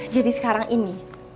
jadi sekarang ini